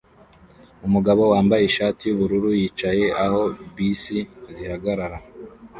Umugabo wambaye ishati yubururu yicaye aho bisi zihagarara